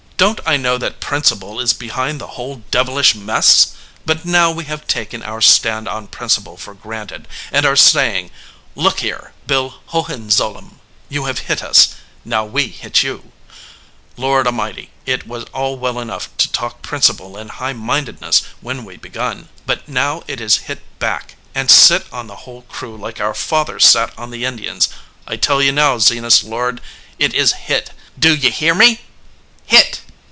"Don t I know that principle is behind the whole devilish mess ? But now we have taken our stand on prin ciple for granted, and are saying, Look here, Bill Hohenzollern, you have hit us ; now we hit you/ Lord a mighty, it was all well enough to talk prin ciple and high mindedness when we begun, but now it is hit back, and sit on the whole crew like our fathers sat on the Indians. I tell you now, Ze nas Lord, it is hit ! Do ye hear me ? Hit